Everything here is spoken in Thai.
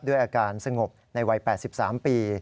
ด้วยอาการสงบในวัย๘๓ปี